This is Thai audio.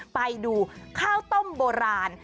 ไปดูข้าวต้มโบราณ